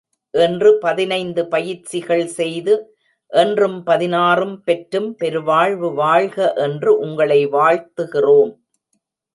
இன்று பதினைந்து பயிற்சிகள் செய்து, என்றும் பதினாறும் பெற்றும் பெருவாழ்வு வாழ்க என்று உங்களை வாழ்த்துகிறோம்.